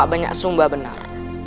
banyak sumber yang benar